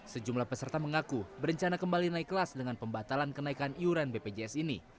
sejumlah peserta mengaku berencana kembali naik kelas dengan pembatalan kenaikan iuran bpjs ini